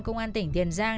công an tỉnh tiền giang